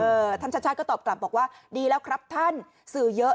ท่านชัชชาติก็ตอบกลับบอกว่าดีแล้วครับท่านสื่อเยอะ